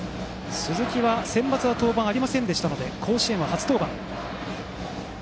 鈴木はセンバツは登板がありませんでしたので甲子園は初登板。